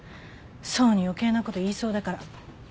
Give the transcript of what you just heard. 想に余計なこと言いそうだから。